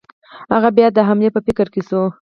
هغه بیا د حملې په فکر کې شو.